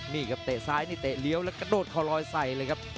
นี่ครับเตะซ้ายนี่เตะเลี้ยวแล้วกระโดดคอลอยใส่เลยครับ